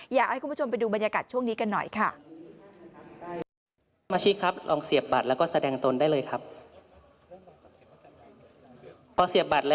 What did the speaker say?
อยากให้คุณผู้ชมไปดูบรรยากาศช่วงนี้กันหน่อยค่ะ